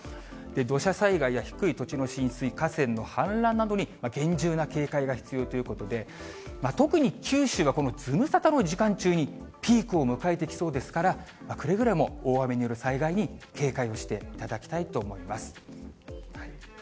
土砂災害や低い土地の浸水、河川の氾濫などに厳重な警戒が必要ということで、特に九州はこのズムサタの時間中にピークを迎えてきそうですから、くれぐれも大雨による災害に警戒をしていただきたいと思います。